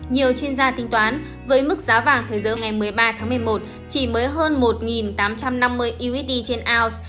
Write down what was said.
nhiều chuyên gia tính toán với mức giá vàng thời giờ ngày một mươi ba tháng một mươi một chỉ mới hơn một tám trăm năm mươi usd trên ounce